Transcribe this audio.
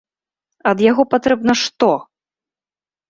Ад яго патрэбна што?